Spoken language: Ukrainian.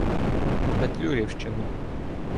"петлюрівщину".